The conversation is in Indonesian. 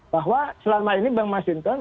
bahwa selama ini bang mas hinton